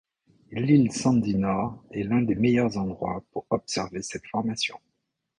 L'île Sandy Nord est l'un des meilleurs endroits pour observer cette formation.